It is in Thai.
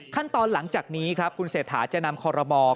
ขั้นตอนหลังจากนี้ครับคุณเสถาธวีศินยกรัฐมนตรี